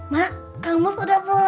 mak kang mus udah pulang